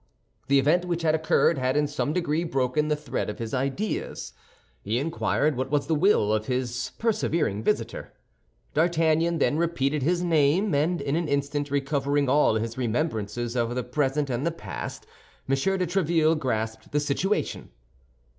The event which had occurred had in some degree broken the thread of his ideas. He inquired what was the will of his persevering visitor. D'Artagnan then repeated his name, and in an instant recovering all his remembrances of the present and the past, M. de Tréville grasped the situation.